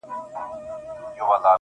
د ژوند دوهم جنم دې حد ته رسولی يمه,